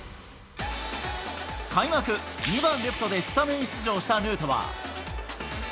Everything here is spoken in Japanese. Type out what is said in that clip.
開幕２番レフトでスタメン出場したヌートバー。